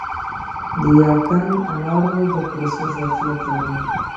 د یو ټن انارو د پروسس ظرفیت لري